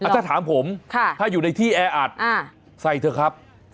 ถ้าถามผมถ้าอยู่ในที่แออัดใส่เถอะครับ